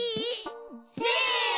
せの！